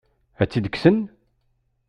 Ad tt-id-kksen?